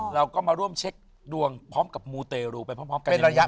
อ๋อเราก็มาร่วมเช็คดวงพร้อมกับมูเตลูไปพร้อมพร้อมกัน